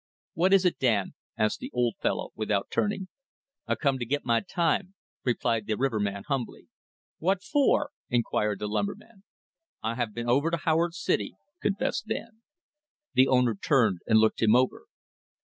"What is it, Dan?" asked the Old Fellow without turning. "I come to get my time," replied the riverman humbly. "What for?" inquired the lumberman. "I have been over to Howard City," confessed Dan. The owner turned and looked him over.